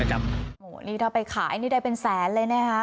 โอ้โหนี่ถ้าไปขายนี่ได้เป็นแสนเลยนะคะ